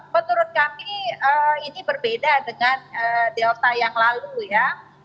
menurut kami ini berbeda dengan delta yang lalu ya